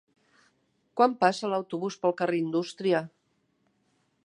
Quan passa l'autobús pel carrer Indústria?